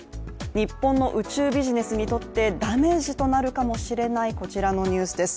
日本の宇宙ビジネスにとってダメージとなるかもしれないこちらのニュースです。